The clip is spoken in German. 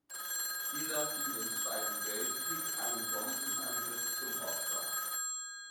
Dieser fiel im Zweiten Weltkrieg einem Bombenangriff zum Opfer.